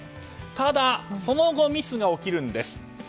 ただ、その後ミスが起きるんです。